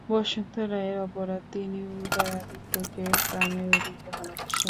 বসন্ত রায়ের অপরাধ, তিনি উদয়াদিত্যকে প্রাণের অধিক ভালবাসেন।